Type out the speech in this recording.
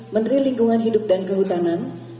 menteri lingkungan hidup dan kehutanan